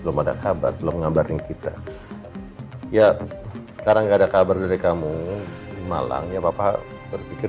belum ada kabar belum ngabarin kita ya karena enggak ada kabar dari kamu di malang ya bapak berpikir